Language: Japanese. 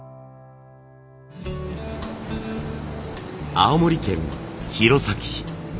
青森県弘前市。